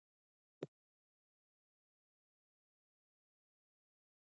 که ښځه عاید زیات کړي، نو کورنۍ ته ښه فرصتونه پیدا کېږي.